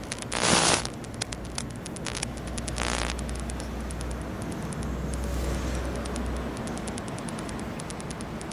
Morier may have been present at the Battle of Culloden.